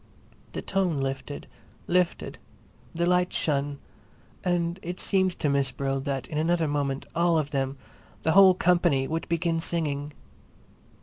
The tune lifted, lifted, the light shone; and it seemed to Miss Brill that in another moment all of them, all the whole company, would begin singing.